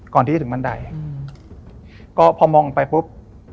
ก่อนที่จะถึงบันไดก็พอมองคลับไป